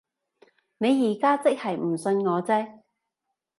你而家即係唔信我啫